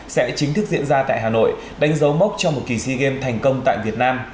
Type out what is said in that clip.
sẽ chính thức diễn ra tại hà nội đánh dấu mốc cho một kỳ sea games thành công tại việt nam